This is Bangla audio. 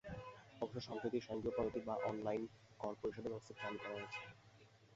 অবশ্য সম্প্রতি স্বয়ংক্রিয় পদ্ধতি বা অনলাইনে কর পরিশোধের ব্যবস্থা চালু করা হয়েছে।